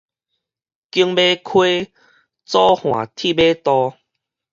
景尾溪左岸鐵馬道